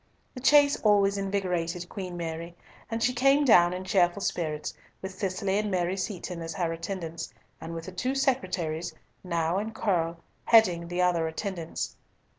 The chase always invigorated Queen Mary, and she came down in cheerful spirits, with Cicely and Mary Seaton as her attendants, and with the two secretaries, Nau and Curll, heading the other attendants.